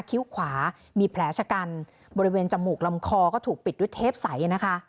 คิ้วขวามีแผลชะกันบริเวณจมูกลำคอก็ถูกปิดด้วยเทปใสนะคะ